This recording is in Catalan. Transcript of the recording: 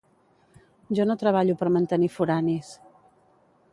Jo no treballo per mantenir foranis